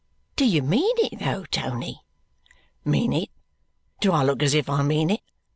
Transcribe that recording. "Do you mean it though, Tony?" "Mean it! Do I look as if I mean it?